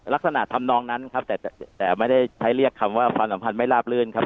ลักษณะทำนองนั้นครับแต่ไม่ได้ใช้เรียกคำว่าความสัมพันธ์ไม่ลาบลื่นครับ